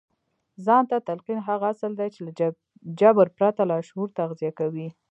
ځان ته تلقين هغه اصل دی چې له جبر پرته لاشعور تغذيه کوي.